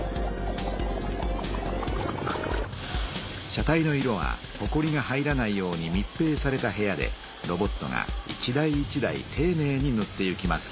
車体の色はほこりが入らないようにみっぺいされた部屋でロボットが一台一台ていねいにぬっていきます。